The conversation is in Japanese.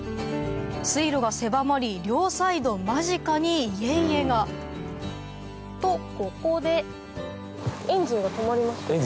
水路が狭まり両サイド間近に家々がとここでエンジンが止まりましたね。